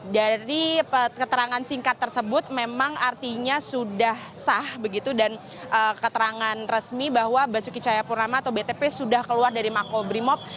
dari keterangan singkat tersebut memang artinya sudah sah begitu dan keterangan resmi bahwa basuki cahayapurnama atau btp sudah keluar dari makobrimob